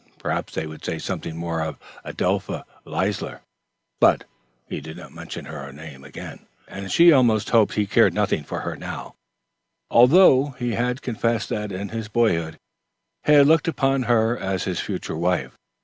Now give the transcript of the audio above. Perhaps they would say something more of Adelpha Leisler; but he did not mention her name again, and she almost hoped he cared nothing for her now, although he had confessed that in his boyhood he had looked upon her as his future wife.